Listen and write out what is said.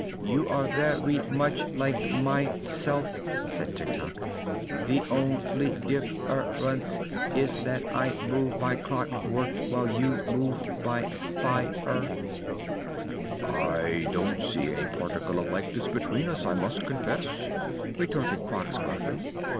You are ver y much like my self," said Tik Tok. "The on ly dif fer ence is that I move by clock work, while you move by fire." "I don't see a particle of likeness between us, I must confess," retorted Quox, gruffly.